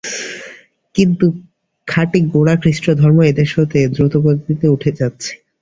কিন্তু খাঁটি গোঁড়া খ্রীষ্টধর্ম এদেশ হতে দ্রুতগতিতে উঠে যাচ্ছে।